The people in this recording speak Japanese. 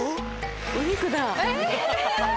・お肉だ。